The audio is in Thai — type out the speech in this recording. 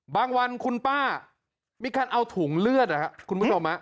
วันคุณป้ามีการเอาถุงเลือดนะครับคุณผู้ชม